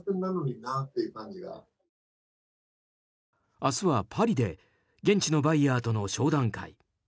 明日は、パリで現地のバイヤーとの商談会。